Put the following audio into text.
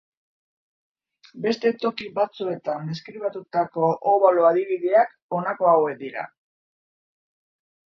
Beste toki batzuetan deskribatutako obalo adibideak honako hauek dira.